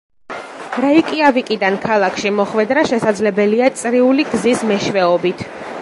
რეიკიავიკიდან ქალაქში მოხვედრა შესაძლებელია წრიული გზის მეშვეობით.